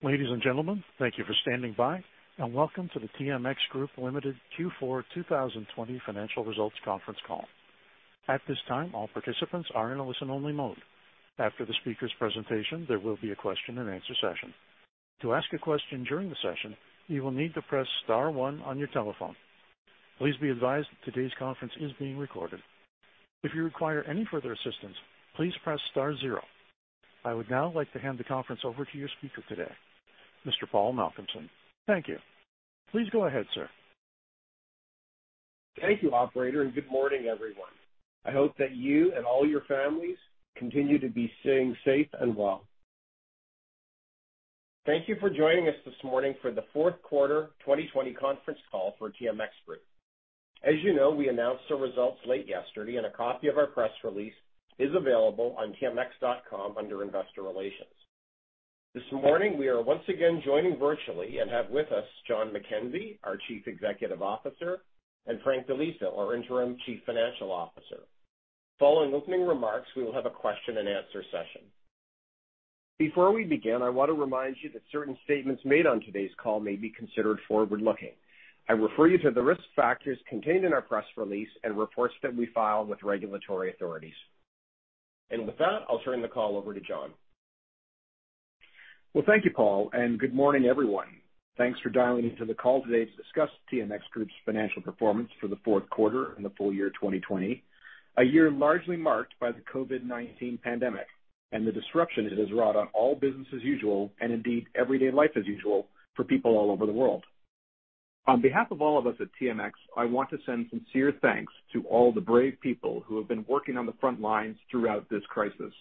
Ladies and gentlemen, thank you for standing by, and welcome to the TMX Group Limited Q4 2020 Financial Results Conference Call. At this time, all participants are in a listen-only mode. After the speaker's presentation, there will be a question-and-answer session. To ask a question during the session, you will need to press star one on your telephone. Please be advised that today's conference is being recorded. If you require any further assistance, please press star zero. I would now like to hand the conference over to your speaker today, Mr. Paul Malcolmson. Thank you. Please go ahead, sir. Thank you, operator, and good morning, everyone. I hope that you and all your families continue to be staying safe and well. Thank you for joining us this morning for the fourth quarter 2020 conference call for TMX Group. As you know, we announced our results late yesterday, and a copy of our press release is available on TMX.com under investor relations. This morning, we are once again joining virtually and have with us John McKenzie, our Chief Executive Officer, and Frank Di Liso, our Interim Chief Financial Officer. Following opening remarks, we will have a question-and-answer session. Before we begin, I want to remind you that certain statements made on today's call may be considered forward-looking. I refer you to the risk factors contained in our press release and reports that we file with regulatory authorities. With that, I'll turn the call over to John. Thank you, Paul, and good morning, everyone. Thanks for dialing into the call today to discuss TMX Group's financial performance for the fourth quarter and the full year 2020, a year largely marked by the COVID-19 pandemic and the disruption it has wrought on all business as usual and, indeed, everyday life as usual for people all over the world. On behalf of all of us at TMX, I want to send sincere thanks to all the brave people who have been working on the front lines throughout this crisis,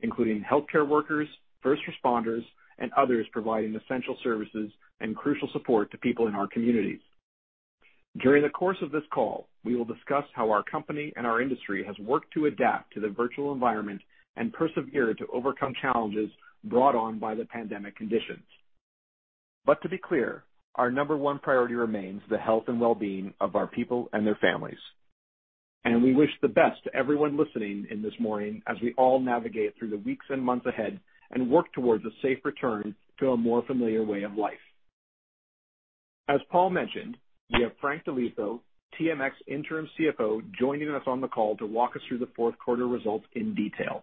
including healthcare workers, first responders, and others providing essential services and crucial support to people in our communities. During the course of this call, we will discuss how our company and our industry have worked to adapt to the virtual environment and persevere to overcome challenges brought on by the pandemic conditions. To be clear, our number one priority remains the health and well-being of our people and their families. We wish the best to everyone listening in this morning as we all navigate through the weeks and months ahead and work towards a safe return to a more familiar way of life. As Paul mentioned, we have Frank Di Liso, TMX interim Chief Financial Officer, joining us on the call to walk us through the fourth quarter results in detail.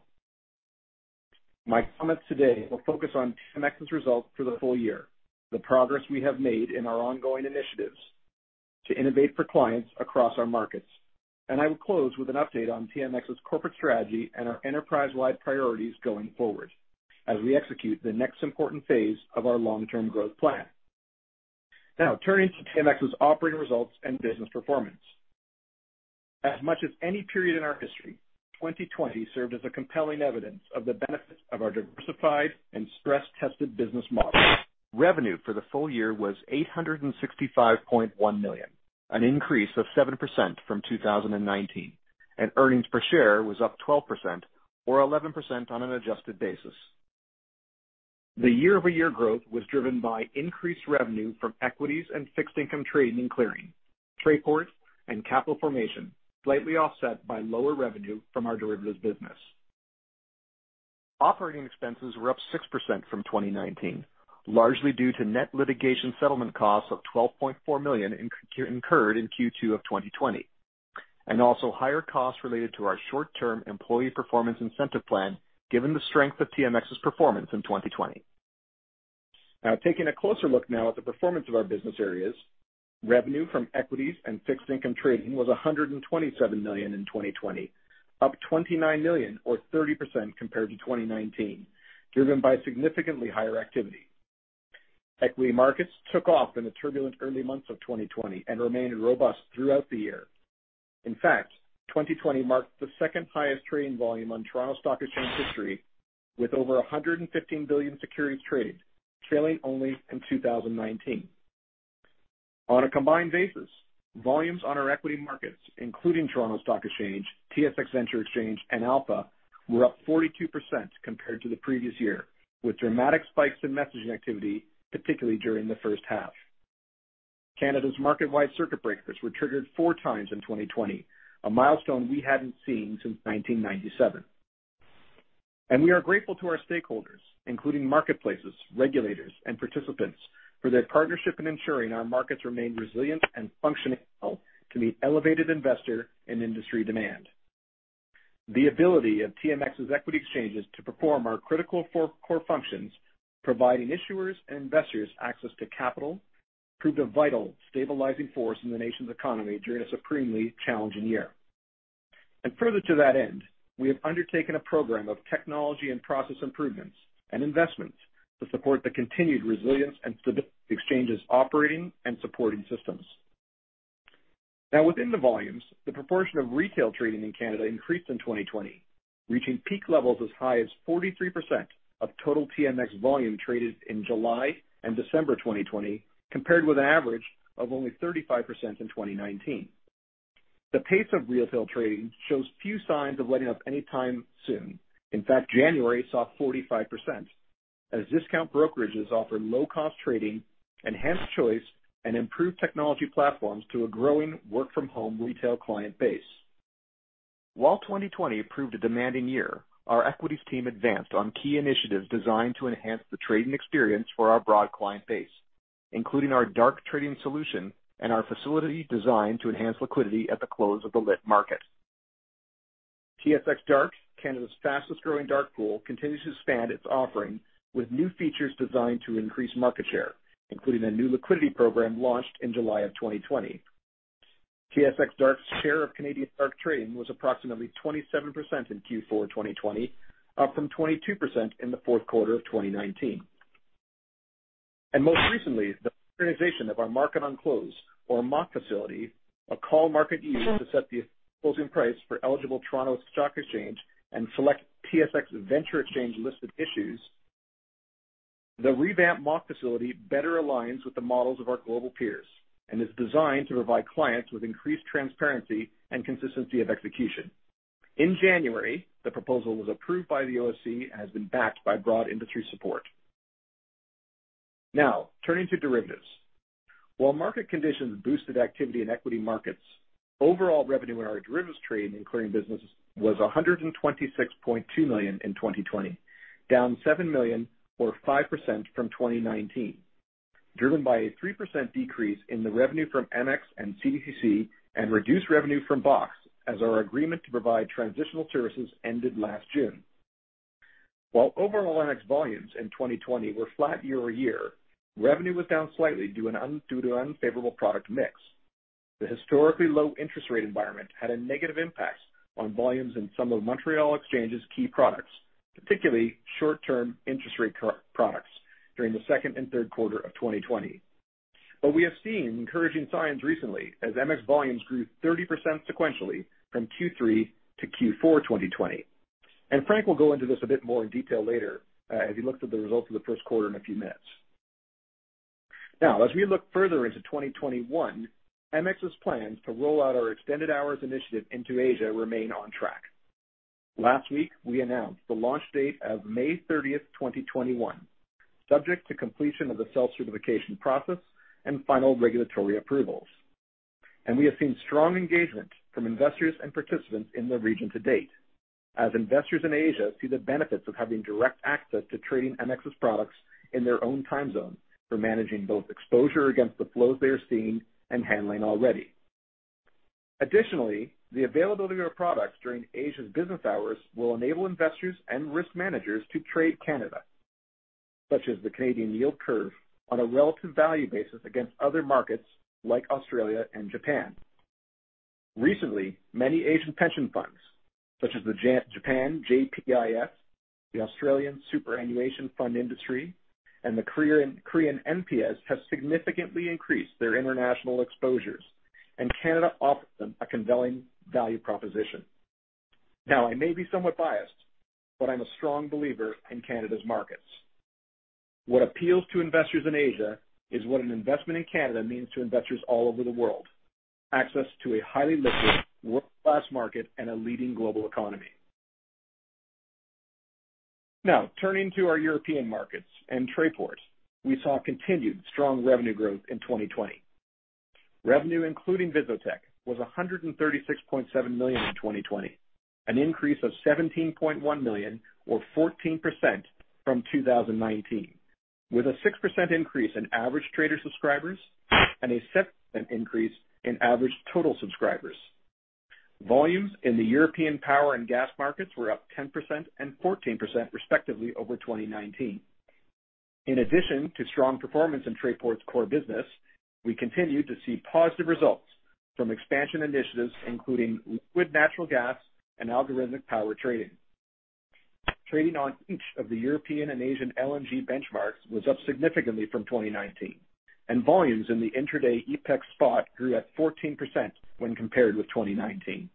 My comments today will focus on TMX's results for the full year, the progress we have made in our ongoing initiatives to innovate for clients across our markets. I will close with an update on TMX's corporate strategy and our enterprise-wide priorities going forward as we execute the next important phase of our long-term growth plan. Now, turning to TMX's operating results and business performance. As much as any period in our history, 2020 served as compelling evidence of the benefits of our diversified and stress-tested business model. Revenue for the full year was 865.1 million, an increase of 7% from 2019. Earnings per share was up 12% or 11% on an adjusted basis. The year-over-year growth was driven by increased revenue from equities and fixed income trading and clearing, Trayport, and capital formation, slightly offset by lower revenue from our derivatives business. Operating expenses were up 6% from 2019, largely due to net litigation settlement costs of 12.4 million incurred in Q2 of 2020, and also higher costs related to our short-term employee performance incentive plan, given the strength of TMX's performance in 2020. Now, taking a closer look now at the performance of our business areas, revenue from equities and fixed income trading was 127 million in 2020, up 29 million or 30% compared to 2019, driven by significantly higher activity. Equity markets took off in the turbulent early months of 2020 and remained robust throughout the year. In fact, 2020 marked the second highest trading volume on Toronto Stock Exchange history, with over 115 billion securities traded, trailing only in 2019. On a combined basis, volumes on our equity markets, including Toronto Stock Exchange, TSX Venture Exchange, and Alpha, were up 42% compared to the previous year, with dramatic spikes in messaging activity, particularly during the first half. Canada's market-wide circuit breakers were triggered four times in 2020, a milestone we hadn't seen since 1997. We are grateful to our stakeholders, including marketplaces, regulators, and participants, for their partnership in ensuring our markets remain resilient and functioning well to meet elevated investor and industry demand. The ability of TMX's equity exchanges to perform our critical four core functions, providing issuers and investors access to capital, proved a vital stabilizing force in the nation's economy during a supremely challenging year. Further to that end, we have undertaken a program of technology and process improvements and investments to support the continued resilience and stability of the exchange's operating and supporting systems. Now, within the volumes, the proportion of retail trading in Canada increased in 2020, reaching peak levels as high as 43% of total TMX volume traded in July and December 2020, compared with an average of only 35% in 2019. The pace of retail trading shows few signs of letting up anytime soon. In fact, January saw 45%, as discount brokerages offered low-cost trading, enhanced choice, and improved technology platforms to a growing work-from-home retail client base. While 2020 proved a demanding year, our equities team advanced on key initiatives designed to enhance the trading experience for our broad client base, including our DARK trading solution and our facility designed to enhance liquidity at the close of the lit market. TSX DARK, Canada's fastest-growing DARK pool, continues to expand its offering with new features designed to increase market share, including a new liquidity program launched in July of 2020. TSX DARK's share of Canadian DARK trading was approximately 27% in Q4 2020, up from 22% in the fourth quarter of 2019. Most recently, the modernization of our Market on Close, or MOC facility, a call market used to set the closing price for eligible Toronto Stock Exchange and select TSX Venture Exchange-listed issues. The revamped MOC facility better aligns with the models of our global peers and is designed to provide clients with increased transparency and consistency of execution. In January, the proposal was approved by the OSC and has been backed by broad industry support. Now, turning to derivatives. While market conditions boosted activity in equity markets, overall revenue in our derivatives trading, including business, was 126.2 million in 2020, down 7 million or 5% from 2019, driven by a 3% decrease in the revenue from MX and CDCC and reduced revenue from BOX, as our agreement to provide transitional services ended last June. While overall MX volumes in 2020 were flat year-over-year, revenue was down slightly due to an unfavorable product mix. The historically low interest rate environment had a negative impact on volumes in some of Montréal Exchange's key products, particularly short-term interest rate products, during the second and third quarter of 2020. We have seen encouraging signs recently as MX volumes grew 30% sequentially from Q3 to Q4 2020. Frank will go into this a bit more in detail later as he looks at the results of the first quarter in a few minutes. Now, as we look further into 2021, MX's plans to roll out our extended hours initiative into Asia remain on track. Last week, we announced the launch date of May 30, 2021, subject to completion of the self-certification process and final regulatory approvals. We have seen strong engagement from investors and participants in the region to date, as investors in Asia see the benefits of having direct access to trading MX's products in their own time zone for managing both exposure against the flows they are seeing and handling already. Additionally, the availability of products during Asia's business hours will enable investors and risk managers to trade Canada, such as the Canadian yield curve, on a relative value basis against other markets like Australia and Japan. Recently, many Asian pension funds, such as the Japan GPIF, the Australian Superannuation Fund Industry, and the Korean NPS, have significantly increased their international exposures, and Canada offers them a compelling value proposition. Now, I may be somewhat biased, but I'm a strong believer in Canada's markets. What appeals to investors in Asia is what an investment in Canada means to investors all over the world: access to a highly liquid, world-class market, and a leading global economy. Now, turning to our European markets and Trayport, we saw continued strong revenue growth in 2020. Revenue, including VizzoTech, was CAD 136.7 million in 2020, an increase of CAD 17.1 million or 14% from 2019, with a 6% increase in average trader subscribers and a 7% increase in average total subscribers. Volumes in the European power and gas markets were up 10% and 14% respectively over 2019. In addition to strong performance in Trayport's core business, we continue to see positive results from expansion initiatives, including liquid natural gas and algorithmic power trading. Trading on each of the European and Asian LNG benchmarks was up significantly from 2019, and volumes in the intraday EPEX Spot grew at 14% when compared with 2019.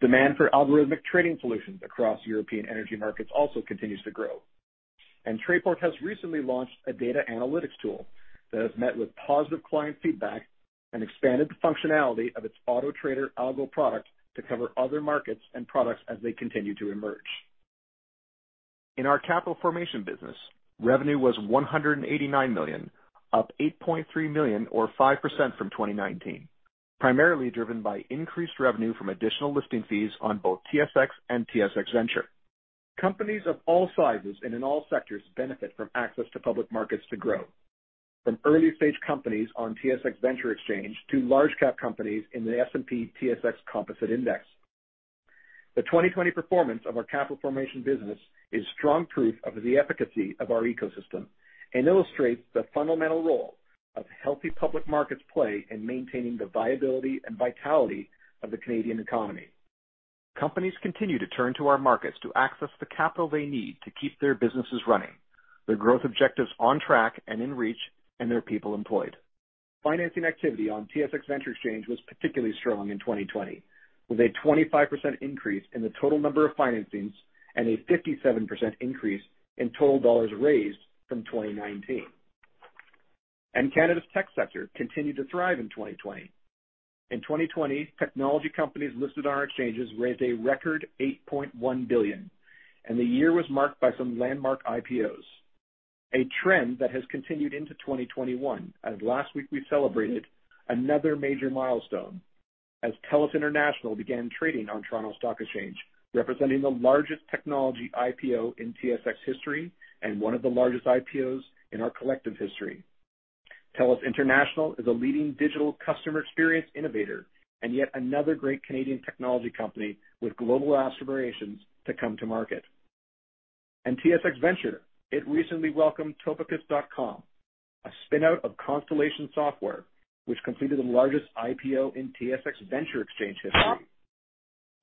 Demand for algorithmic trading solutions across European energy markets also continues to grow. Tradeport has recently launched a data analytics tool that has met with positive client feedback and expanded the functionality of its auto trader algo product to cover other markets and products as they continue to emerge. In our capital formation business, revenue was CAD 189 million, up CAD 8.3 million or 5% from 2019, primarily driven by increased revenue from additional listing fees on both TSX and TSX Venture. Companies of all sizes and in all sectors benefit from access to public markets to grow, from early-stage companies on TSX Venture Exchange to large-cap companies in the S&P/TSX Composite Index. The 2020 performance of our capital formation business is strong proof of the efficacy of our ecosystem and illustrates the fundamental role healthy public markets play in maintaining the viability and vitality of the Canadian economy. Companies continue to turn to our markets to access the capital they need to keep their businesses running, their growth objectives on track and in reach, and their people employed. Financing activity on TSX Venture Exchange was particularly strong in 2020, with a 25% increase in the total number of financings and a 57% increase in total dollars raised from 2019. Canada's tech sector continued to thrive in 2020. In 2020, technology companies listed on our exchanges raised a record 8.1 billion, and the year was marked by some landmark IPOs, a trend that has continued into 2021, as last week we celebrated another major milestone as TELUS International began trading on Toronto Stock Exchange, representing the largest technology IPO in TSX history and one of the largest IPOs in our collective history. TELUS International is a leading digital customer experience innovator and yet another great Canadian technology company with global aspirations to come to market. TSX Venture, it recently welcomed Topicus.com, a spinout of Constellation Software, which completed the largest IPO in TSX Venture Exchange history.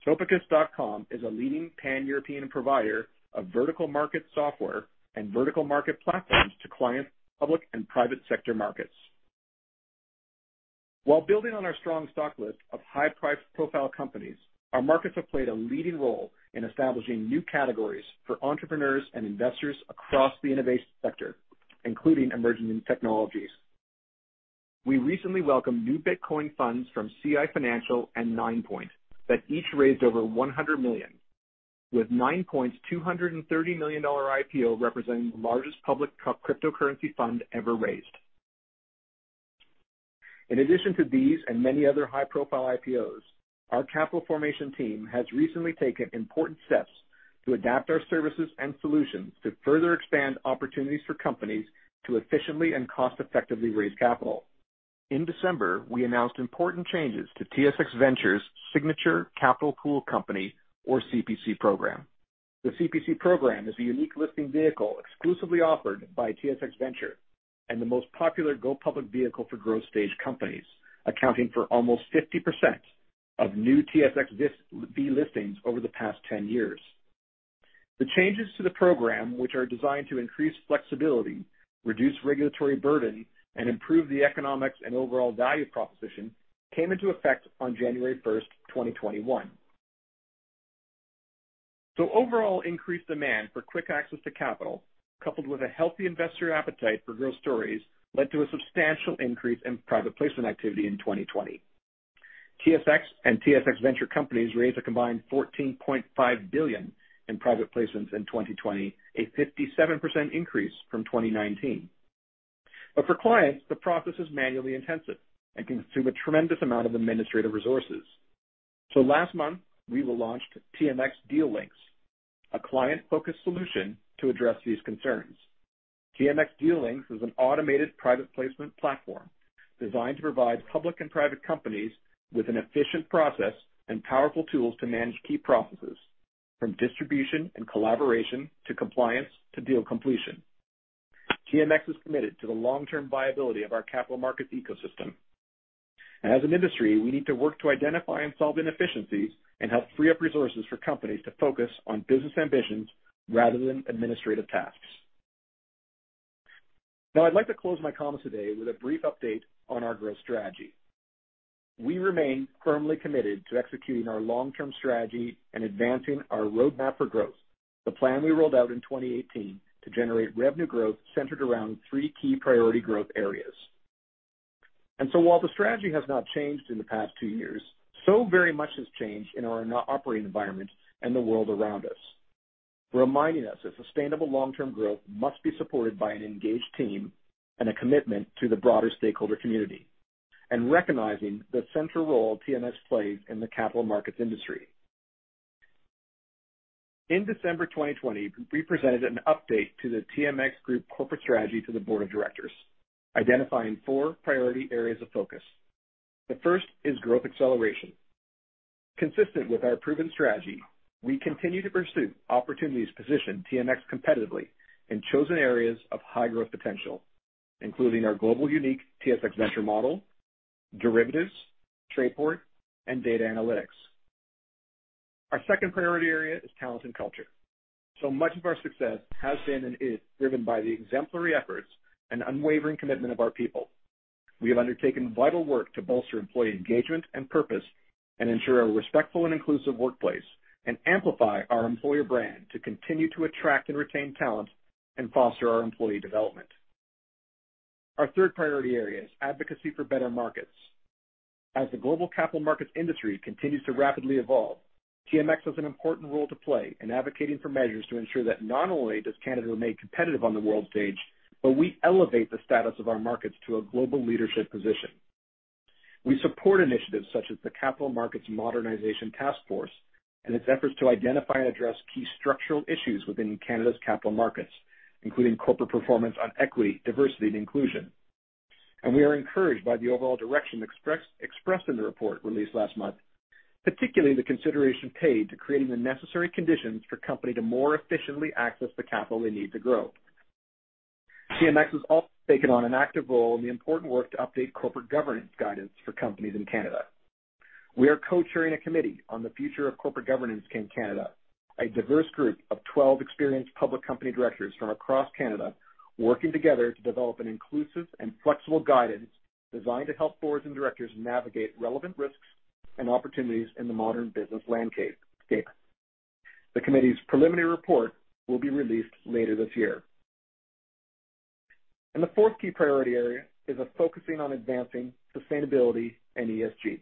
Topicus.com is a leading pan-European provider of vertical market software and vertical market platforms to clients, public and private sector markets. While building on our strong stock list of high-profile companies, our markets have played a leading role in establishing new categories for entrepreneurs and investors across the innovation sector, including emerging technologies. We recently welcomed new Bitcoin funds from CI Financial and Ninepoint Partners that each raised over 100 million, with Ninepoint Partners' 230 million dollar IPO representing the largest public cryptocurrency fund ever raised. In addition to these and many other high-profile IPOs, our capital formation team has recently taken important steps to adapt our services and solutions to further expand opportunities for companies to efficiently and cost-effectively raise capital. In December, we announced important changes to TSX Venture's Signature Capital Pool Company, or CPC, program. The CPC program is a unique listing vehicle exclusively offered by TSX Venture and the most popular go-public vehicle for growth-stage companies, accounting for almost 50% of new TSX Venture listings over the past 10 years. The changes to the program, which are designed to increase flexibility, reduce regulatory burden, and improve the economics and overall value proposition, came into effect on January 1, 2021. Overall, increased demand for quick access to capital, coupled with a healthy investor appetite for growth stories, led to a substantial increase in private placement activity in 2020. TSX and TSX Venture companies raised a combined CAD 14.5 billion in private placements in 2020, a 57% increase from 2019. For clients, the process is manually intensive and can consume a tremendous amount of administrative resources. Last month, we launched TMX Deal Links, a client-focused solution to address these concerns. TMX Deal Links is an automated private placement platform designed to provide public and private companies with an efficient process and powerful tools to manage key processes, from distribution and collaboration to compliance to deal completion. TMX is committed to the long-term viability of our capital markets ecosystem. As an industry, we need to work to identify and solve inefficiencies and help free up resources for companies to focus on business ambitions rather than administrative tasks. Now, I'd like to close my comments today with a brief update on our growth strategy. We remain firmly committed to executing our long-term strategy and advancing our roadmap for growth, the plan we rolled out in 2018 to generate revenue growth centered around three key priority growth areas. While the strategy has not changed in the past two years, so very much has changed in our operating environment and the world around us, reminding us that sustainable long-term growth must be supported by an engaged team and a commitment to the broader stakeholder community, and recognizing the central role TMX plays in the capital markets industry. In December 2020, we presented an update to the TMX Group corporate strategy to the board of directors, identifying four priority areas of focus. The first is growth acceleration. Consistent with our proven strategy, we continue to pursue opportunities positioned TMX competitively in chosen areas of high growth potential, including our global unique TSX Venture model, derivatives, Trayport, and data analytics. Our second priority area is talent and culture. So much of our success has been and is driven by the exemplary efforts and unwavering commitment of our people. We have undertaken vital work to bolster employee engagement and purpose and ensure a respectful and inclusive workplace and amplify our employer brand to continue to attract and retain talent and foster our employee development. Our third priority area is advocacy for better markets. As the global capital markets industry continues to rapidly evolve, TMX has an important role to play in advocating for measures to ensure that not only does Canada remain competitive on the world stage, but we elevate the status of our markets to a global leadership position. We support initiatives such as the Capital Markets Modernization Task Force and its efforts to identify and address key structural issues within Canada's capital markets, including corporate performance on equity, diversity, and inclusion. We are encouraged by the overall direction expressed in the report released last month, particularly the consideration paid to creating the necessary conditions for companies to more efficiently access the capital they need to grow. TMX has also taken on an active role in the important work to update corporate governance guidance for companies in Canada. We are co-chairing a committee on the future of corporate governance in Canada, a diverse group of 12 experienced public company directors from across Canada working together to develop an inclusive and flexible guidance designed to help boards and directors navigate relevant risks and opportunities in the modern business landscape. The committee's preliminary report will be released later this year. The fourth key priority area is focusing on advancing sustainability and ESG.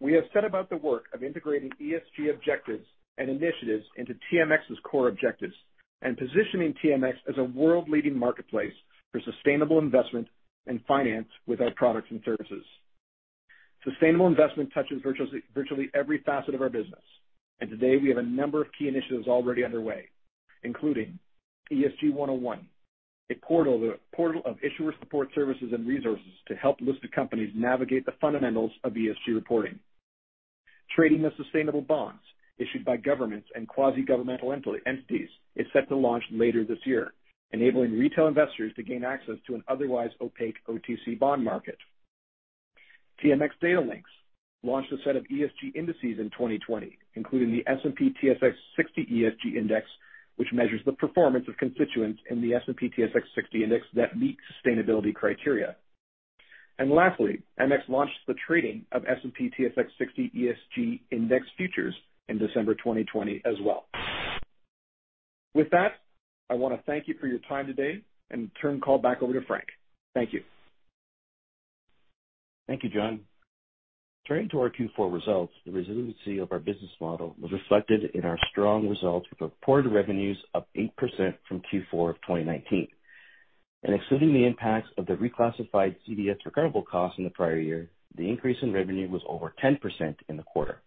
We have set about the work of integrating ESG objectives and initiatives into TMX's core objectives and positioning TMX as a world-leading marketplace for sustainable investment and finance with our products and services. Sustainable investment touches virtually every facet of our business, and today we have a number of key initiatives already underway, including ESG 101, a portal of issuer support services and resources to help listed companies navigate the fundamentals of ESG reporting. Trading the sustainable bonds issued by governments and quasi-governmental entities is set to launch later this year, enabling retail investors to gain access to an otherwise opaque OTC bond market. TMX Data Links launched a set of ESG indices in 2020, including the S&P/TSX 60 ESG Index, which measures the performance of constituents in the S&P/TSX 60 Index that meet sustainability criteria. Lastly, MX launched the trading of S&P/TSX 60 ESG Index futures in December 2020 as well. With that, I want to thank you for your time today and turn the call back over to Frank. Thank you. Thank you, John. Turning to our Q4 results, the resiliency of our business model was reflected in our strong results with reported revenues up 8% from Q4 of 2019. Excluding the impacts of the reclassified CDS recurable costs in the prior year, the increase in revenue was over 10% in the quarter.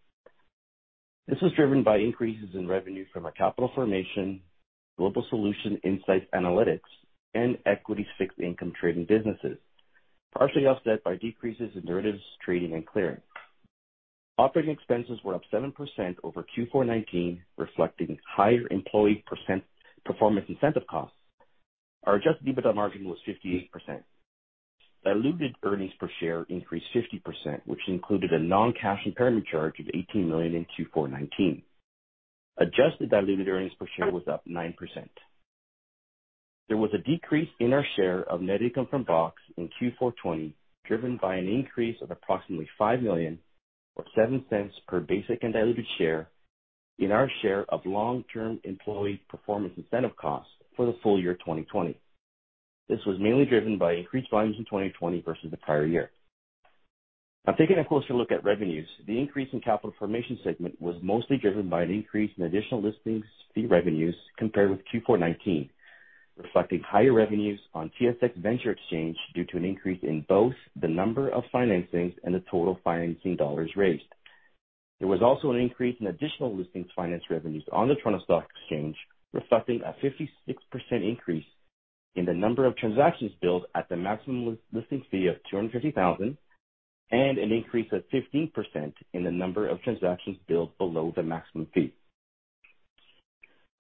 This was driven by increases in revenue from our capital formation, Global Insights analytics, and equity and fixed income trading businesses, partially offset by decreases in derivatives trading and clearing. Operating expenses were up 7% over Q4 2019, reflecting higher employee performance incentive costs. Our adjusted EBITDA margin was 58%. Diluted earnings per share increased 50%, which included a non-cash impairment charge of CAD 18 million in Q4 2019. Adjusted diluted earnings per share was up 9%. There was a decrease in our share of net income from BOX Exchange in Q4 2020, driven by an increase of approximately 5 million or $0.07 per basic and diluted share in our share of long-term employee performance incentive costs for the full year 2020. This was mainly driven by increased volumes in 2020 versus the prior year. Now, taking a closer look at revenues, the increase in capital formation segment was mostly driven by an increase in additional listings fee revenues compared with Q4 2019, reflecting higher revenues on TSX Venture Exchange due to an increase in both the number of financings and the total financing dollars raised. There was also an increase in additional listings finance revenues on the Toronto Stock Exchange, reflecting a 56% increase in the number of transactions billed at the maximum listing fee of 250,000 and an increase of 15% in the number of transactions billed below the maximum fee.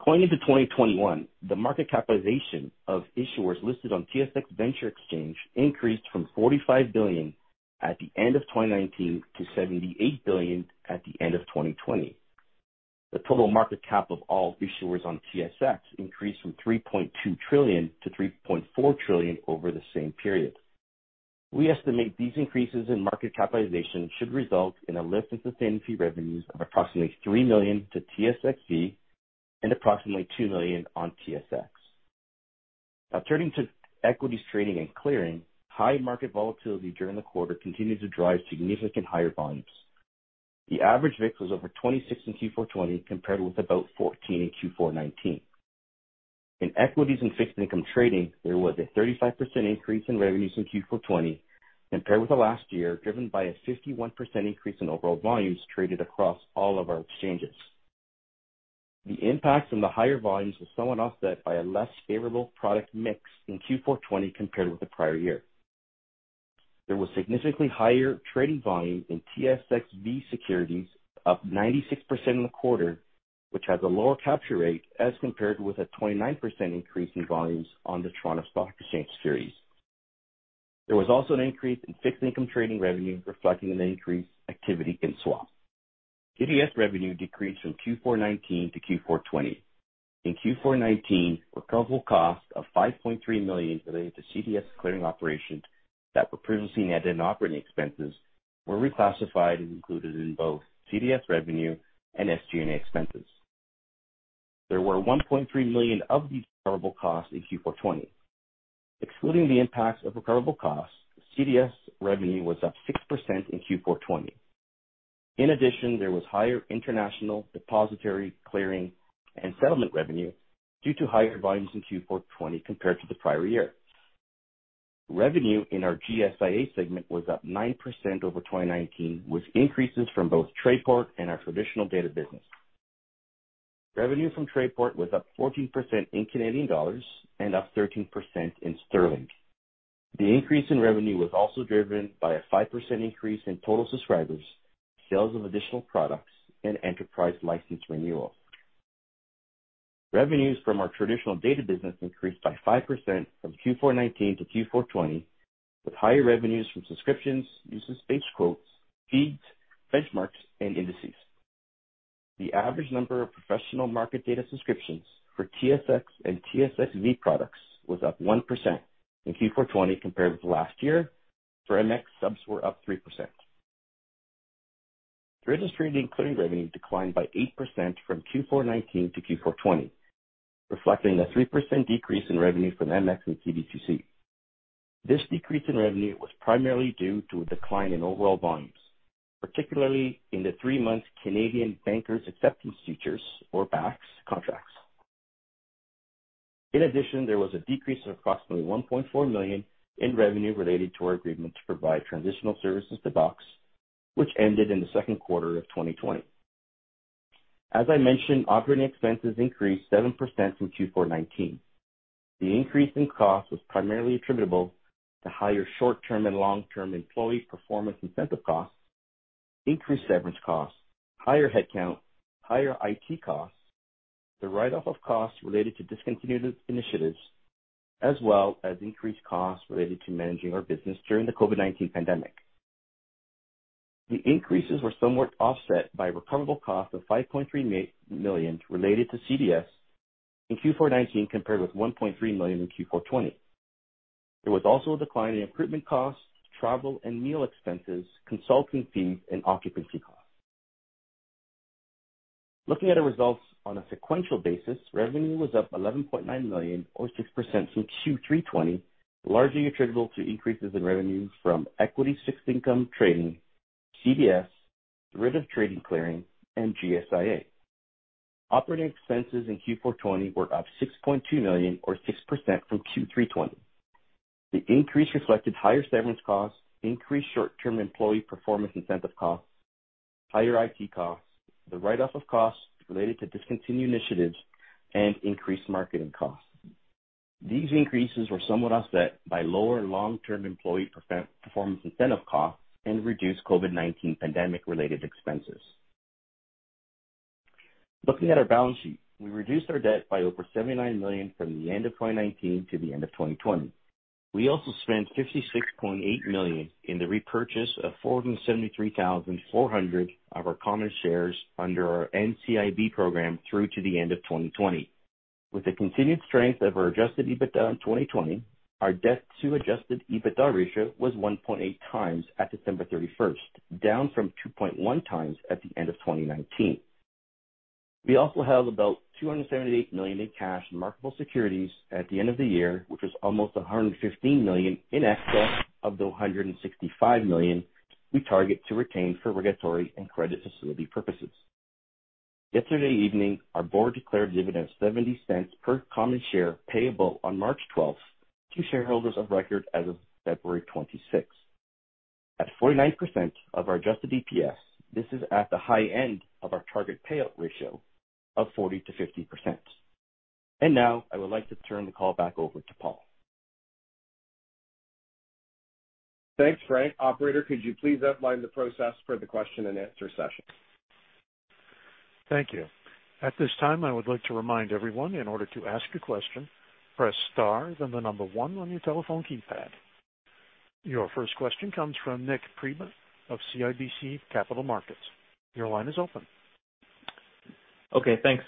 Going into 2021, the market capitalization of issuers listed on TSX Venture Exchange increased from CAD 45 billion at the end of 2019 to CAD 78 billion at the end of 2020. The total market cap of all issuers on TSX increased from 3.2 trillion to 3.4 trillion over the same period. We estimate these increases in market capitalization should result in a lift in sustainability revenues of approximately 3 million to TSX fee and approximately 2 million on TSX. Now, turning to equities trading and clearing, high market volatility during the quarter continued to drive significant higher volumes. The average VIX was over 26 in Q4 2020 compared with about 14 in Q4 2019. In equities and fixed income trading, there was a 35% increase in revenues in Q4 2020 compared with the last year, driven by a 51% increase in overall volumes traded across all of our exchanges. The impact from the higher volumes was somewhat offset by a less favorable product mix in Q4 2020 compared with the prior year. There was significantly higher trading volume in TSX Venture Exchange securities, up 96% in the quarter, which has a lower capture rate as compared with a 29% increase in volumes on the Toronto Stock Exchange securities. There was also an increase in fixed income trading revenue, reflecting an increased activity in swap. CDS revenue decreased from Q4 2019 to Q4 2020. In Q4 2019, recoverable costs of 5.3 million related to CDS clearing operations that were previously netted and operating expenses were reclassified and included in both CDS revenue and SG&A expenses. There were 1.3 million of these recoverable costs in Q4 2020. Excluding the impacts of recoverable costs, CDS revenue was up 6% in Q4 2020. In addition, there was higher international depository clearing and settlement revenue due to higher volumes in Q4 2020 compared to the prior year. Revenue in our GSIA segment was up 9% over 2019, with increases from both Trayport and our traditional data business. Revenue from Trayport was up 14% in CAD and up 13% in GBP. The increase in revenue was also driven by a 5% increase in total subscribers, sales of additional products, and enterprise license renewals. Revenues from our traditional data business increased by 5% from Q4 2019 to Q4 2020, with higher revenues from subscriptions, usage-based quotes, feeds, benchmarks, and indices. The average number of professional market data subscriptions for TSX and TSX Venture products was up 1% in Q4 2020 compared with the last year. For MX, subs were up 3%. Trading stream and clearing revenue declined by 8% from Q4 2019 to Q4 2020, reflecting a 3% decrease in revenue from MX and CDCC. This decrease in revenue was primarily due to a decline in overall volumes, particularly in the three-month Canadian bankers' acceptance futures, or BACs, contracts. In addition, there was a decrease of approximately 1.4 million in revenue related to our agreement to provide transitional services to BOX Exchange, which ended in the second quarter of 2020. As I mentioned, operating expenses increased 7% from Q4 2019. The increase in costs was primarily attributable to higher short-term and long-term employee performance incentive costs, increased severance costs, higher headcount, higher IT costs, the write-off of costs related to discontinued initiatives, as well as increased costs related to managing our business during the COVID-19 pandemic. The increases were somewhat offset by recoverable costs of 5.3 million related to CDS in Q4 2019 compared with 1.3 million in Q4 2020. There was also a decline in recruitment costs, travel and meal expenses, consulting fees, and occupancy costs. Looking at our results on a sequential basis, revenue was up 11.9 million, or 6%, from Q3 2020, largely attributable to increases in revenue from equity fixed income trading, CDS, derivatives trading and clearing, and GSIA. Operating expenses in Q4 2020 were up 6.2 million, or 6%, from Q3 2020. The increase reflected higher severance costs, increased short-term employee performance incentive costs, higher IT costs, the write-off of costs related to discontinued initiatives, and increased marketing costs. These increases were somewhat offset by lower long-term employee performance incentive costs and reduced COVID-19 pandemic-related expenses. Looking at our balance sheet, we reduced our debt by over CAD 79 million from the end of 2019 to the end of 2020. We also spent CAD 56.8 million in the repurchase of 473,400 of our common shares under our NCIB program through to the end of 2020. With the continued strength of our adjusted EBITDA in 2020, our debt-to-adjusted EBITDA ratio was 1.8 times at December 31st, down from 2.1 times at the end of 2019. We also held about 278 million in cash and marketable securities at the end of the year, which was almost 115 million in excess of the 165 million we target to retain for regulatory and credit facility purposes. Yesterday evening, our board declared dividends of $0.70 per common share payable on March 12th to shareholders of record as of February 26th. At 49% of our adjusted EPS, this is at the high end of our target payout ratio of 40-50%. I would like to turn the call back over to Paul. Thanks, Frank. Operator, could you please outline the process for the question and answer session? Thank you. At this time, I would like to remind everyone in order to ask a question, press star, then the number one on your telephone keypad. Your first question comes from Nik Priebe of CIBC Capital Markets. Your line is open. Okay, thanks.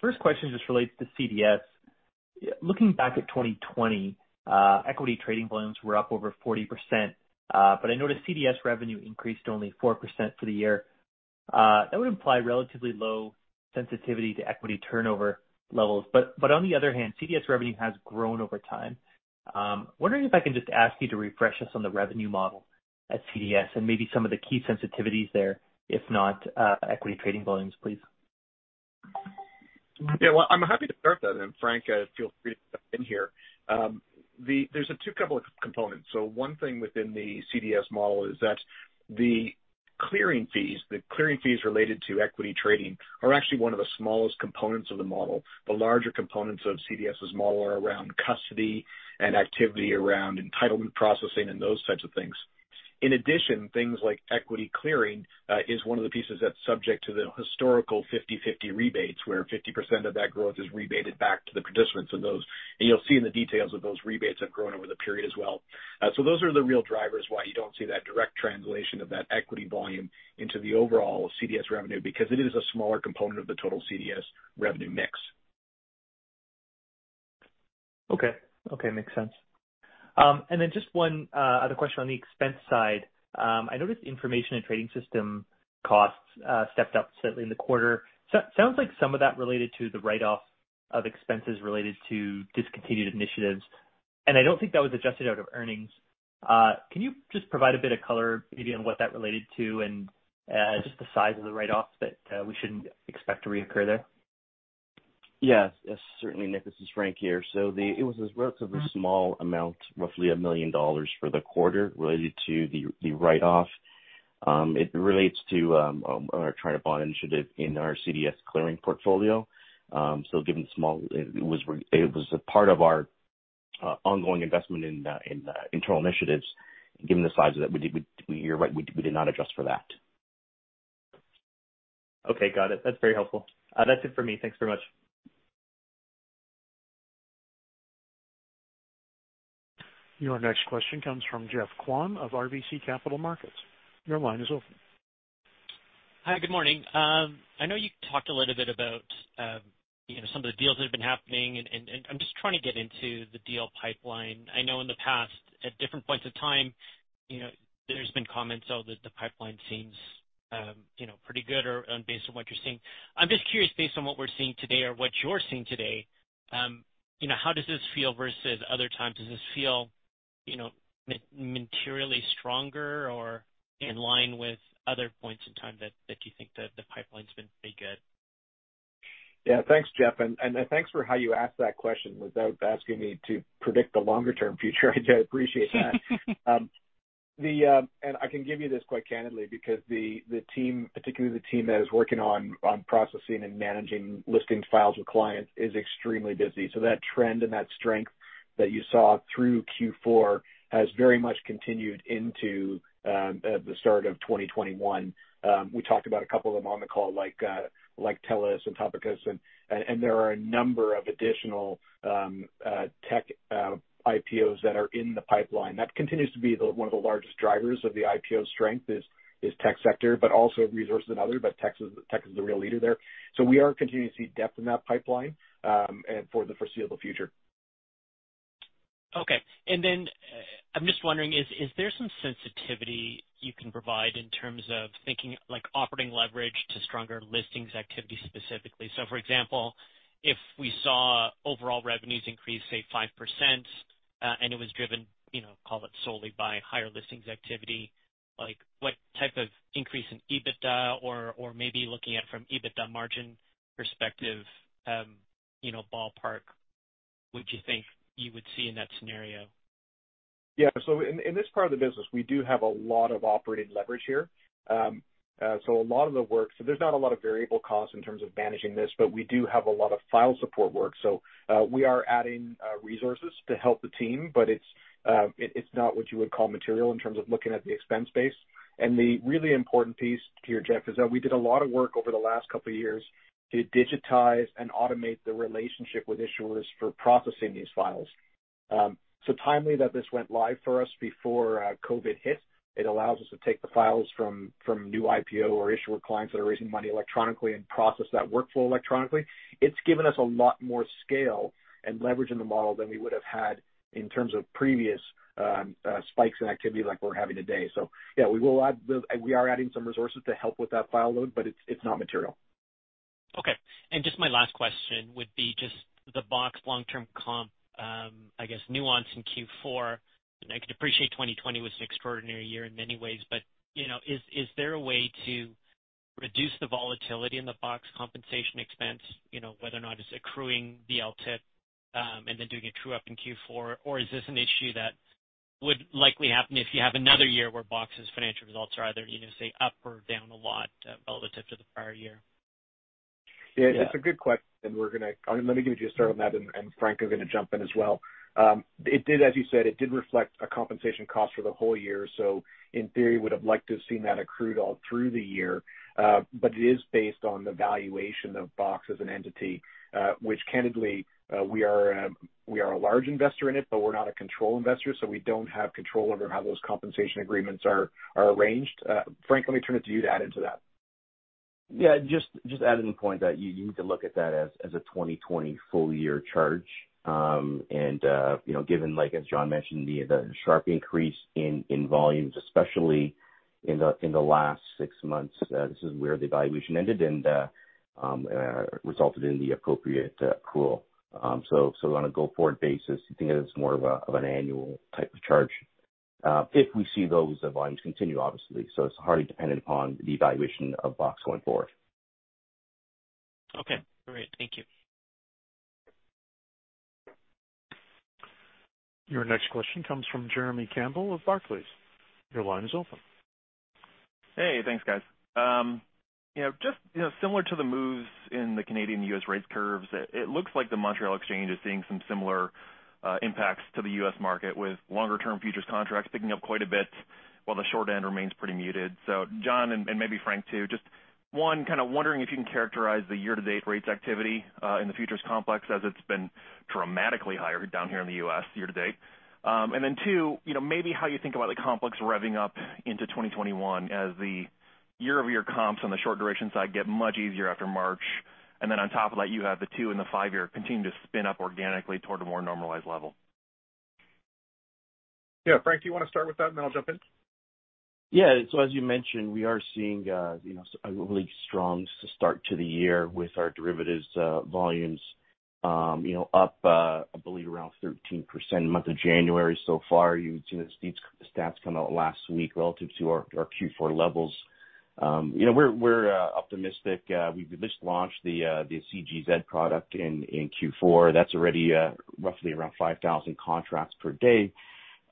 First question just relates to CDS. Looking back at 2020, equity trading volumes were up over 40%, but I noticed CDS revenue increased only 4% for the year. That would imply relatively low sensitivity to equity turnover levels. On the other hand, CDS revenue has grown over time. I'm wondering if I can just ask you to refresh us on the revenue model at CDS and maybe some of the key sensitivities there. If not, equity trading volumes, please. Yeah, I'm happy to start that. Frank, feel free to jump in here. There's a couple of components. One thing within the CDS model is that the clearing fees, the clearing fees related to equity trading, are actually one of the smallest components of the model. The larger components of CDS's model are around custody and activity around entitlement processing and those types of things. In addition, things like equity clearing is one of the pieces that's subject to the historical 50/50 rebates, where 50% of that growth is rebated back to the participants in those. You will see in the details that those rebates have grown over the period as well. Those are the real drivers why you do not see that direct translation of that equity volume into the overall CDS revenue, because it is a smaller component of the total CDS revenue mix. Okay. Okay, makes sense. One other question on the expense side. I noticed information and trading system costs stepped up slightly in the quarter. Sounds like some of that related to the write-off of expenses related to discontinued initiatives. I do not think that was adjusted out of earnings. Can you just provide a bit of color maybe on what that related to and just the size of the write-offs that we should not expect to reoccur there? Yes. Yes, certainly. Nick, this is Frank here. It was a relatively small amount, roughly 1 million dollars for the quarter related to the write-off. It relates to our charter bond initiative in our CDS clearing portfolio. Given the small size, it was a part of our ongoing investment in internal initiatives. Given the size of that, you are right, we did not adjust for that. Okay, got it. That is very helpful. That is it for me. Thanks very much. Your next question comes from Jeff Hann of RBC Capital Markets. Your line is open. Hi, good morning. I know you talked a little bit about some of the deals that have been happening, and I'm just trying to get into the deal pipeline. I know in the past, at different points of time, there's been comments that the pipeline seems pretty good based on what you're seeing. I'm just curious, based on what we're seeing today or what you're seeing today, how does this feel versus other times? Does this feel materially stronger or in line with other points in time that you think the pipeline's been pretty good? Yeah, thanks, Jeff. Thanks for how you asked that question without asking me to predict the longer-term future. I appreciate that. I can give you this quite candidly because the team, particularly the team that is working on processing and managing listing files with clients, is extremely busy. That trend and that strength that you saw through Q4 has very much continued into the start of 2021. We talked about a couple of them on the call, like TELUS and Topicus. And there are a number of additional tech IPOs that are in the pipeline. That continues to be one of the largest drivers of the IPO strength is tech sector, but also resources and others, but tech is the real leader there. We are continuing to see depth in that pipeline for the foreseeable future. Okay. I am just wondering, is there some sensitivity you can provide in terms of thinking like operating leverage to stronger listings activity specifically? For example, if we saw overall revenues increase, say, 5%, and it was driven, call it solely by higher listings activity, what type of increase in EBITDA or maybe looking at it from an EBITDA margin perspective, ballpark, would you think you would see in that scenario? Yeah. In this part of the business, we do have a lot of operating leverage here. A lot of the work, so there's not a lot of variable costs in terms of managing this, but we do have a lot of file support work. We are adding resources to help the team, but it's not what you would call material in terms of looking at the expense base. The really important piece here, Jeff, is that we did a lot of work over the last couple of years to digitize and automate the relationship with issuers for processing these files. is timely that this went live for us before COVID hit, it allows us to take the files from new IPO or issuer clients that are raising money electronically and process that workflow electronically. It has given us a lot more scale and leverage in the model than we would have had in terms of previous spikes in activity like we are having today. Yeah, we are adding some resources to help with that file load, but it is not material. Okay. My last question would be just the BOX long-term comp, I guess, nuance in Q4. I could appreciate 2020 was an extraordinary year in many ways, but is there a way to reduce the volatility in the BOX compensation expense, whether or not it's accruing the LTIP and then doing a true-up in Q4, or is this an issue that would likely happen if you have another year where BOX's financial results are either, say, up or down a lot relative to the prior year? Yeah, that's a good question. Let me give you a start on that, and Frank is going to jump in as well. As you said, it did reflect a compensation cost for the whole year. In theory, we would have liked to have seen that accrued all through the year. But it is based on the valuation of BOX Exchange as an entity, which candidly, we are a large investor in it, but we're not a control investor, so we don't have control over how those compensation agreements are arranged. Frank, let me turn it to you to add into that. Yeah, just adding the point that you need to look at that as a 2020 full-year charge. Given, as John mentioned, the sharp increase in volumes, especially in the last six months, this is where the valuation ended and resulted in the appropriate accrual. On a go-forward basis, you think of this more of an annual type of charge if we see those volumes continue, obviously. It's hardly dependent upon the evaluation of BOX Exchange going forward. Okay. All right. Thank you. Your next question comes from Jeremy Campbell of Barclays Capital. Your line is open. Hey, thanks, guys. Just similar to the moves in the Canadian and U.S. rate curves, it looks like the Montréal Exchange is seeing some similar impacts to the U.S. market with longer-term futures contracts picking up quite a bit while the short end remains pretty muted. John, and maybe Frank too, just one, kind of wondering if you can characterize the year-to-date rates activity in the futures complex as it's been dramatically higher down here in the U.S. year-to-date. Two, maybe how you think about the complex revving up into 2021 as the year-over-year comps on the short duration side get much easier after March. On top of that, you have the two and the five-year continue to spin up organically toward a more normalized level. Yeah. Frank, do you want to start with that, and then I'll jump in? Yeah. As you mentioned, we are seeing a really strong start to the year with our derivatives volumes up, I believe, around 13% month of January so far. You've seen these stats come out last week relative to our Q4 levels. We're optimistic. We've just launched the CGZ product in Q4. That's already roughly around 5,000 contracts per day.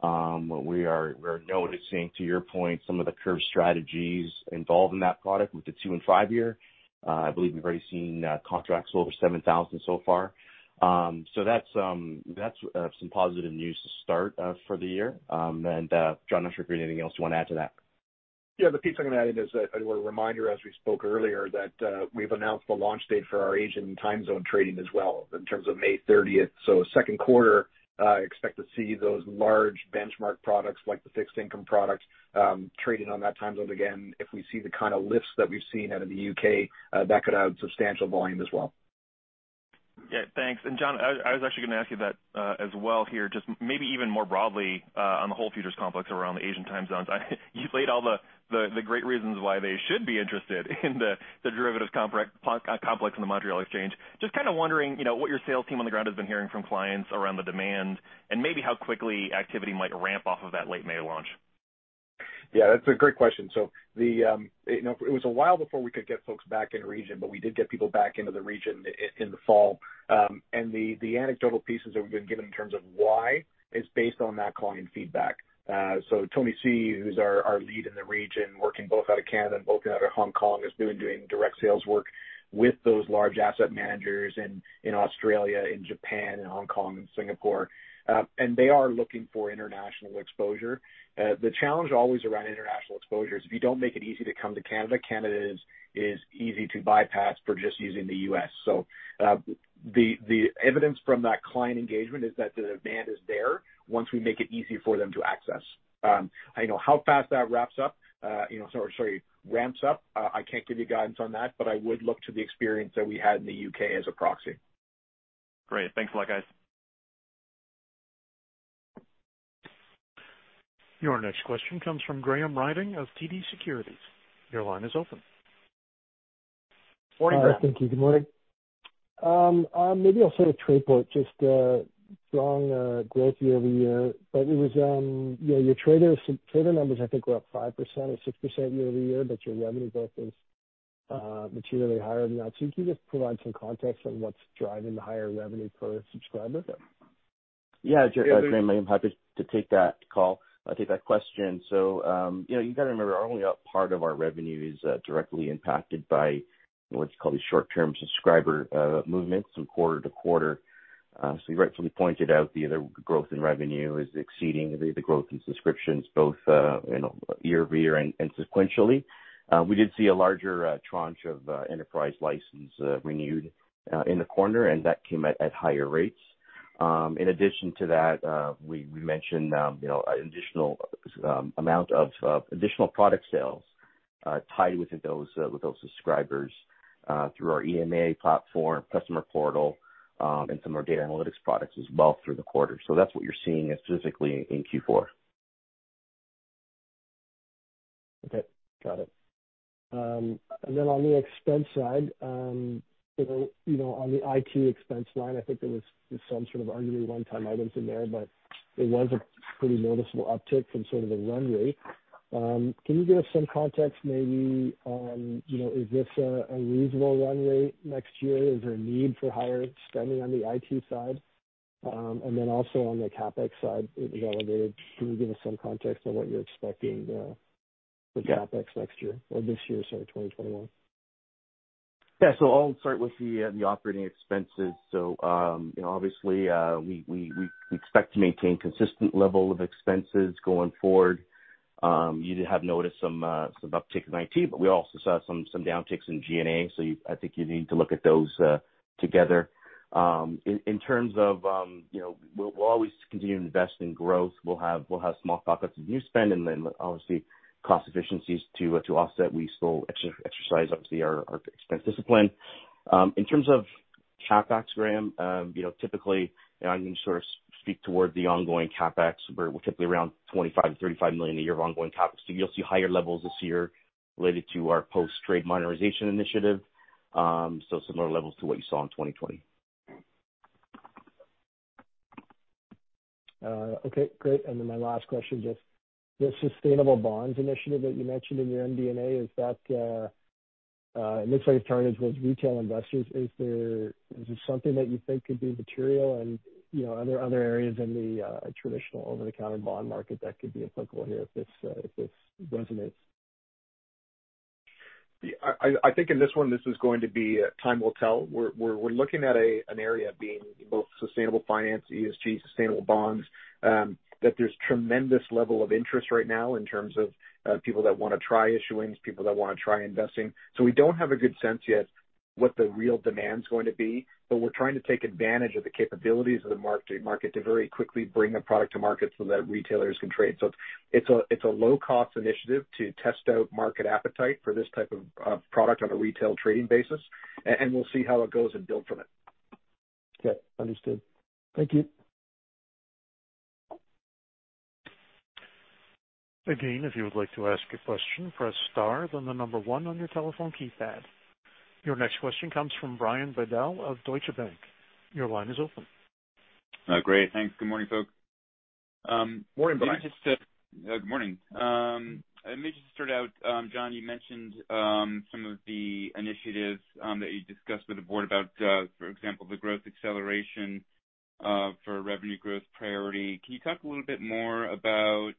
We are noticing, to your point, some of the curve strategies involved in that product with the two and five-year. I believe we've already seen contracts over 7,000 so far. That is some positive news to start for the year. John, I'm not sure if there's anything else you want to add to that. Yeah. The piece I'm going to add in is a reminder, as we spoke earlier, that we've announced the launch date for our Asian time zone trading as well in terms of May 30. Second quarter, expect to see those large benchmark products like the fixed income product trading on that time zone again. If we see the kind of lifts that we've seen out of the U.K., that could add substantial volume as well. Yeah. Thanks. John, I was actually going to ask you that as well here, just maybe even more broadly on the whole futures complex around the Asian time zones. You've laid out the great reasons why they should be interested in the derivatives complex and the Montréal Exchange. Just kind of wondering what your sales team on the ground has been hearing from clients around the demand and maybe how quickly activity might ramp off of that late May launch. Yeah, that's a great question. It was a while before we could get folks back in the region, but we did get people back into the region in the fall. The anecdotal pieces that we've been given in terms of why is based on that client feedback. Tony Si, who's our lead in the region, working both out of Canada and both out of Hong Kong, has been doing direct sales work with those large asset managers in Australia, in Japan, in Hong Kong, and Singapore. They are looking for international exposure. The challenge always around international exposure is if you don't make it easy to come to Canada, Canada is easy to bypass for just using the US. The evidence from that client engagement is that the demand is there once we make it easy for them to access. I know how fast that ramps up. I can't give you guidance on that, but I would look to the experience that we had in the U.K. as a proxy. Great. Thanks a lot, guys. Your next question comes from Graham Ryding of TD Securities. Your line is open. Morning, Graham. Hi, thank you. Good morning. Maybe I'll say at Trayport, just strong growth year over year. But it was your trader numbers, I think, were up 5% or 6% year over year, but your revenue growth was materially higher than that. If you can just provide some context on what's driving the higher revenue per subscriber. Yeah, Graham, I'm happy to take that question. You have to remember, only a part of our revenue is directly impacted by what's called the short-term subscriber movement from quarter to quarter. You rightfully pointed out the growth in revenue is exceeding the growth in subscriptions both year over year and sequentially. We did see a larger tranche of enterprise license renewed in the quarter, and that came at higher rates. In addition to that, we mentioned an additional amount of additional product sales tied with those subscribers through our EMA platform, customer portal, and some of our data analytics products as well through the quarter. That is what you are seeing specifically in Q4. Okay. Got it. On the expense side, on the IT expense line, I think there was some sort of arguably one-time items in there, but it was a pretty noticeable uptick from the run rate. Can you give us some context? Maybe is this a reasonable run rate next year? Is there a need for higher spending on the IT side? Then also on the CapEx side, it was elevated. Can you give us some context on what you're expecting for CapEx next year or this year, sorry, 2021? Yeah. I'll start with the operating expenses. Obviously, we expect to maintain a consistent level of expenses going forward. You did have notice of some uptick in IT, but we also saw some downticks in G&A. I think you need to look at those together. In terms of we'll always continue to invest in growth. We'll have small pockets of new spend, and then obviously, cost efficiencies to offset. We still exercise, obviously, our expense discipline. In terms of CapEx, Graham, typically, I'm going to sort of speak toward the ongoing CapEx, where we're typically around 25 million-35 million a year of ongoing CapEx. You'll see higher levels this year related to our post-trade modernization initiative, similar levels to what you saw in 2020. Great. My last question, Jeff, the sustainable bonds initiative that you mentioned in your MD&A, it looks like it targets those retail investors. Is there something that you think could be material in other areas in the traditional over-the-counter bond market that could be applicable here if this resonates? I think in this one, this is going to be time will tell. We're looking at an area being both sustainable finance, ESG, sustainable bonds, that there's a tremendous level of interest right now in terms of people that want to try issuing, people that want to try investing. We do not have a good sense yet what the real demand is going to be, but we are trying to take advantage of the capabilities of the market to very quickly bring a product to market so that retailers can trade. It is a low-cost initiative to test out market appetite for this type of product on a retail trading basis, and we will see how it goes and build from it. Okay. Understood. Thank you. Again, if you would like to ask a question, press star, then the number one on your telephone keypad. Your next question comes from Brian Bedell of Deutsche Bank. Your line is open. Great. Thanks.Good morning, folks. Morning, Brian. Good morning. I may just start out, John, you mentioned some of the initiatives that you discussed with the board about, for example, the growth acceleration for revenue growth priority. Can you talk a little bit more about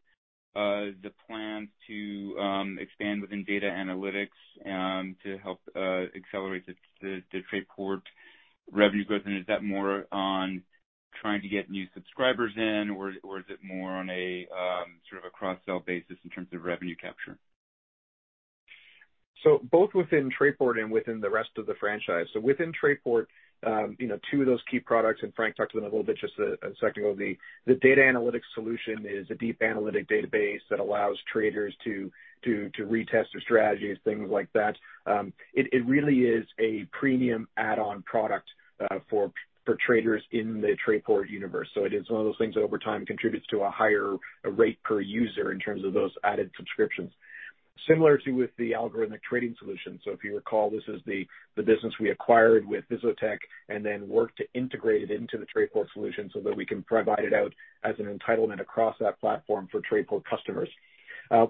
the plans to expand within data analytics to help accelerate the Trayport revenue growth? Is that more on trying to get new subscribers in, or is it more on a sort of a cross-sell basis in terms of revenue capture? Both within Trayport and within the rest of the franchise. Within Trayport, two of those key products, and Frank talked to them a little bit just a second ago, the data analytics solution is a deep analytic database that allows traders to retest their strategies, things like that. It really is a premium add-on product for traders in the Trayport universe. It is one of those things that over time contributes to a higher rate per user in terms of those added subscriptions, similar to with the algorithmic trading solution. If you recall, this is the business we acquired with VizzoTech and then worked to integrate it into the Trayport solution so that we can provide it out as an entitlement across that platform for Trayport customers.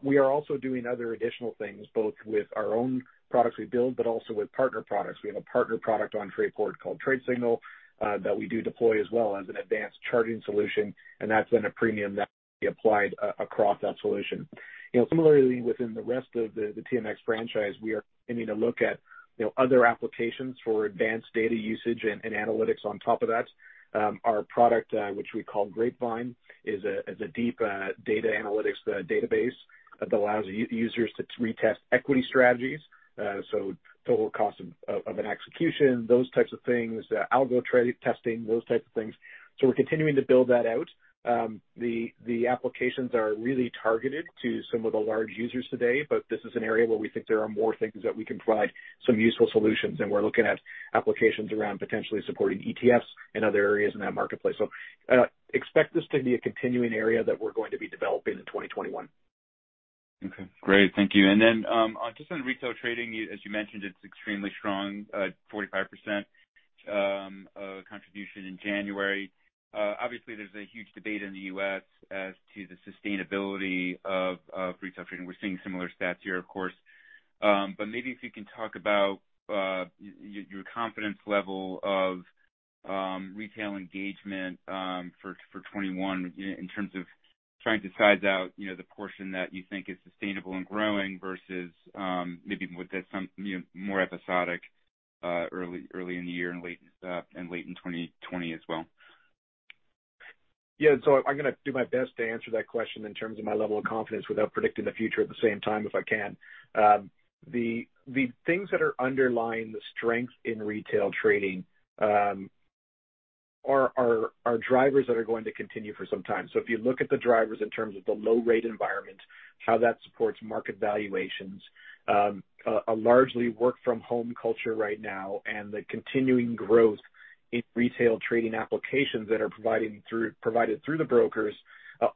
We are also doing other additional things, both with our own products we build, but also with partner products. We have a partner product on Trayport called Trade Signal that we do deploy as well as an advanced charging solution, and that's then a premium that we applied across that solution. Similarly, within the rest of the TMX franchise, we are aiming to look at other applications for advanced data usage and analytics on top of that. Our product, which we call Grapevine, is a deep data analytics database that allows users to retest equity strategies, so total cost of an execution, those types of things, algo testing, those types of things. We are continuing to build that out. The applications are really targeted to some of the large users today, but this is an area where we think there are more things that we can provide some useful solutions, and we are looking at applications around potentially supporting ETFs and other areas in that marketplace. Expect this to be a continuing area that we are going to be developing in 2021. Okay. Great. Thank you. Then just on retail trading, as you mentioned, it is extremely strong, 45% contribution in January. Obviously, there is a huge debate in the U.S. as to the sustainability of retail trading. We are seeing similar stats here, of course. Maybe if you can talk about your confidence level of retail engagement for 2021 in terms of trying to size out the portion that you think is sustainable and growing versus maybe with some more episodic early in the year and late in 2020 as well. Yeah. I'm going to do my best to answer that question in terms of my level of confidence without predicting the future at the same time if I can. The things that are underlying the strength in retail trading are drivers that are going to continue for some time. If you look at the drivers in terms of the low-rate environment, how that supports market valuations, a largely work-from-home culture right now, and the continuing growth in retail trading applications that are provided through the brokers,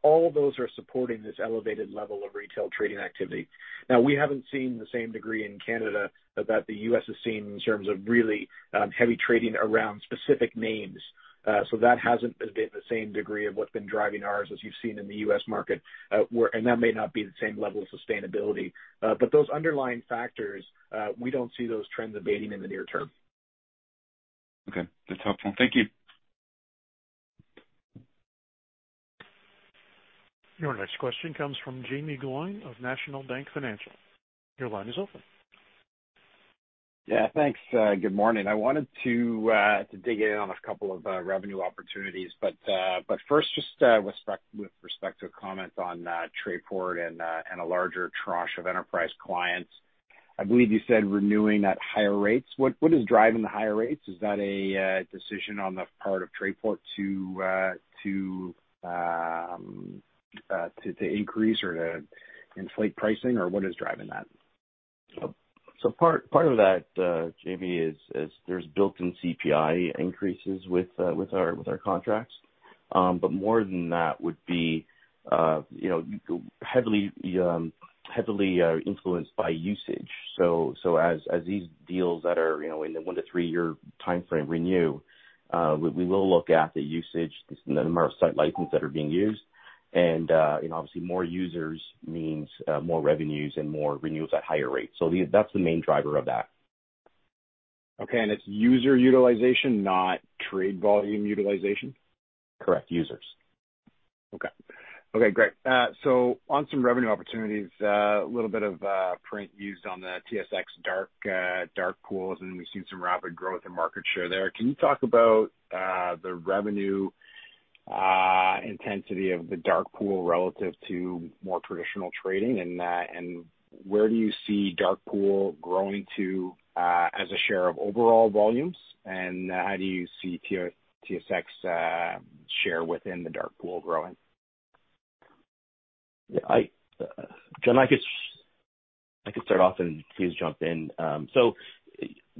all those are supporting this elevated level of retail trading activity. Now, we haven't seen the same degree in Canada that the U.S. has seen in terms of really heavy trading around specific names. That hasn't been the same degree of what's been driving ours, as you've seen in the U.S. market, and that may not be the same level of sustainability. Those underlying factors, we don't see those trends abating in the near term. Okay. That's helpful. Thank you. Your next question comes from Jaeme Gloyn of National Bank Financial. Your line is open. Yeah. Thanks. Good morning. I wanted to dig in on a couple of revenue opportunities, but first, just with respect to a comment on Trayport and a larger tranche of enterprise clients. I believe you said renewing at higher rates. What is driving the higher rates? Is that a decision on the part of Trayport to increase or to inflate pricing, or what is driving that? Part of that, Jaeme, is there's built-in CPI increases with our contracts. More than that would be heavily influenced by usage. As these deals that are in the one to three-year timeframe renew, we will look at the usage, the number of site licenses that are being used. Obviously, more users means more revenues and more renewals at higher rates. That's the main driver of that. Okay. It's user utilization, not trade volume utilization? Correct. Users. Okay. Okay. Great. On some revenue opportunities, a little bit of print used on the TSX DARK pools, and we've seen some rapid growth in market share there. Can you talk about the revenue intensity of the dark pool relative to more traditional trading, and where do you see dark pool growing to as a share of overall volumes, and how do you see TSX share within the dark pool growing? Yeah. John, I could start off, and please jump in. So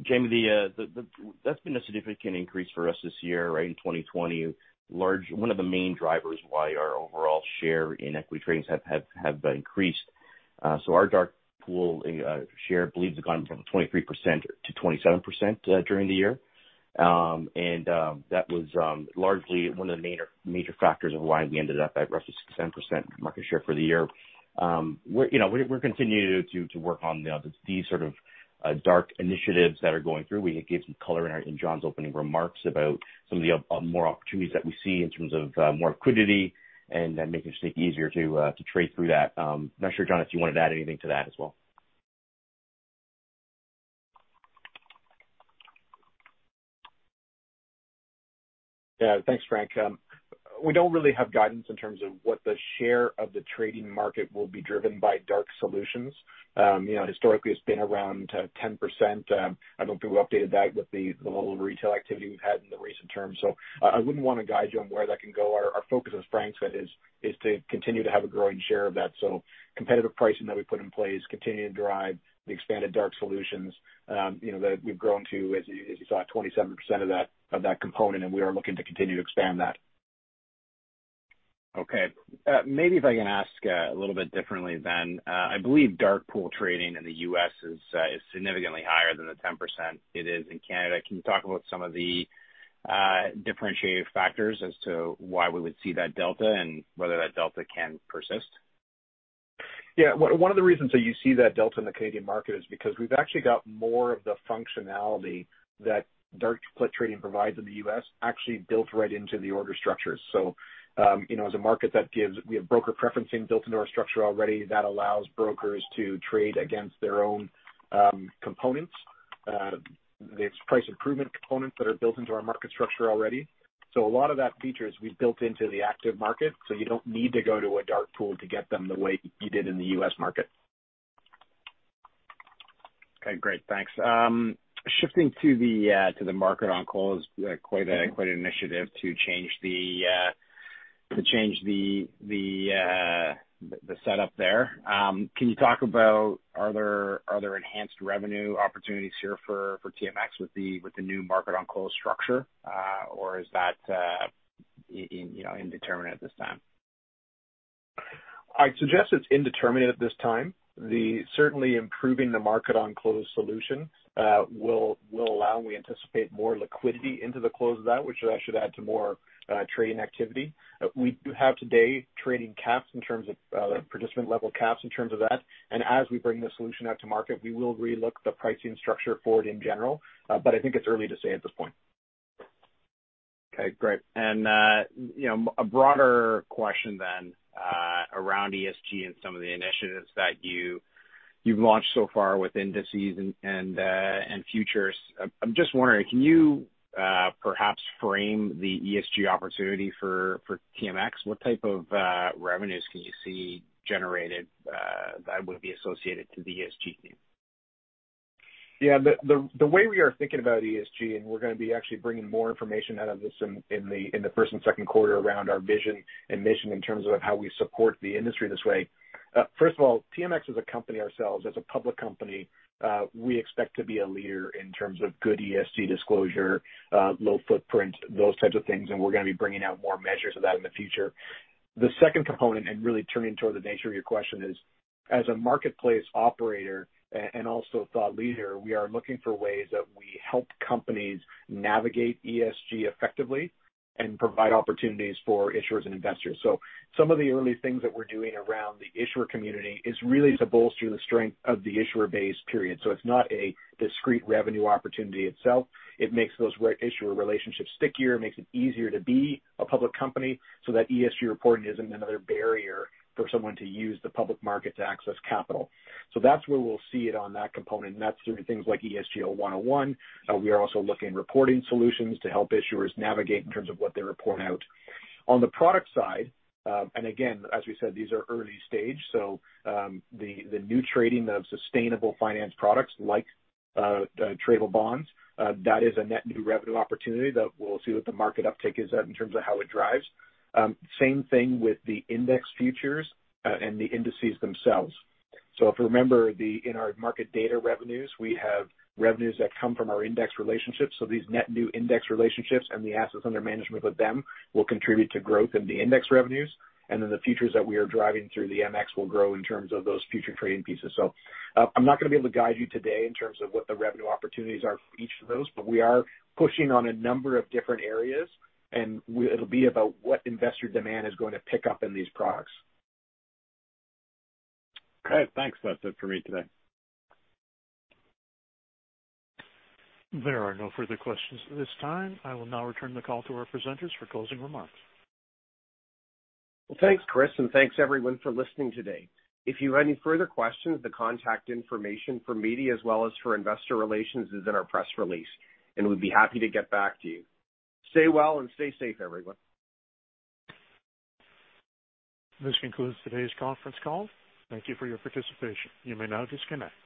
Jaeme, that's been a significant increase for us this year, right, in 2020. One of the main drivers why our overall share in equity tradings have increased. So our dark pool share believes it's gone from 23% to 27% during the year. That was largely one of the major factors of why we ended up at roughly 67% market share for the year. We're continuing to work on these sort of dark initiatives that are going through. We gave some color in John's opening remarks about some of the more opportunities that we see in terms of more liquidity and making it easier to trade through that. I'm not sure, John, if you wanted to add anything to that as well. Yeah. Thanks, Frank. We don't really have guidance in terms of what the share of the trading market will be driven by dark solutions. Historically, it's been around 10%. I don't think we updated that with the level of retail activity we've had in the recent terms. I wouldn't want to guide you on where that can go. Our focus with Frank, that is, is to continue to have a growing share of that. Competitive pricing that we put in place continues to drive the expanded dark solutions that we've grown to, as you saw, 27% of that component, and we are looking to continue to expand that. Okay. Maybe if I can ask a little bit differently then, I believe dark pool trading in the U.S. is significantly higher than the 10% it is in Canada. Can you talk about some of the differentiating factors as to why we would see that delta and whether that delta can persist? Yeah. One of the reasons that you see that delta in the Canadian market is because we've actually got more of the functionality that dark split trading provides in the U.S. actually built right into the order structures. As a market that gives, we have broker preferencing built into our structure already that allows brokers to trade against their own components. There's price improvement components that are built into our market structure already. A lot of that feature is we've built into the active market, so you don't need to go to a dark pool to get them the way you did in the U.S. market. Okay. Great. Thanks. Shifting to the market on call is quite an initiative to change the setup there. Can you talk about are there enhanced revenue opportunities here for TMX with the new market on call structure, or is that indeterminate at this time? I'd suggest it's indeterminate at this time. Certainly, improving the market on close solution will allow and we anticipate more liquidity into the close of that, which should add to more trading activity. We do have today trading caps in terms of participant-level caps in terms of that. As we bring the solution out to market, we will relook the pricing structure for it in general, but I think it's early to say at this point. Okay. Great. A broader question then around ESG and some of the initiatives that you've launched so far with indices and futures. I'm just wondering, can you perhaps frame the ESG opportunity for TMX? What type of revenues can you see generated that would be associated to the ESG team? Yeah. The way we are thinking about ESG, and we're going to be actually bringing more information out of this in the first and second quarter around our vision and mission in terms of how we support the industry this way. First of all, TMX as a company ourselves, as a public company, we expect to be a leader in terms of good ESG disclosure, low footprint, those types of things, and we're going to be bringing out more measures of that in the future. The second component, and really turning toward the nature of your question, is as a marketplace operator and also thought leader, we are looking for ways that we help companies navigate ESG effectively and provide opportunities for issuers and investors. Some of the early things that we're doing around the issuer community is really to bolster the strength of the issuer base, period. It is not a discreet revenue opportunity itself. It makes those issuer relationships stickier. It makes it easier to be a public company so that ESG reporting isn't another barrier for someone to use the public market to access capital. That's where we'll see it on that component. That's through things like ESG 101. We are also looking at reporting solutions to help issuers navigate in terms of what they report out. On the product side, and again, as we said, these are early stage. The new trading of sustainable finance products like tradable bonds, that is a net new revenue opportunity that we'll see what the market uptake is in terms of how it drives. Same thing with the index futures and the indices themselves. If you remember, in our market data revenues, we have revenues that come from our index relationships. These net new index relationships and the assets under management with them will contribute to growth in the index revenues. The futures that we are driving through the MX will grow in terms of those future trading pieces. I'm not going to be able to guide you today in terms of what the revenue opportunities are for each of those, but we are pushing on a number of different areas, and it'll be about what investor demand is going to pick up in these products. Okay. Thanks. That's it for me today. There are no further questions at this time. I will now return the call to our presenters for closing remarks. Thanks, Chris, and thanks everyone for listening today. If you have any further questions, the contact information for media as well as for investor relations is in our press release, and we'd be happy to get back to you. Stay well and stay safe, everyone. This concludes today's conference call. Thank you for your participation. You may now disconnect.